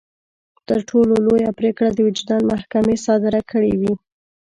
تر ټولو لويه پرېکړه د وجدان محکمې صادره کړې وي.